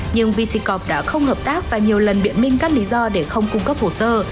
nhưng vycop đã không hợp tác và nhiều lần biện minh các lý do để không cung cấp hồ sơ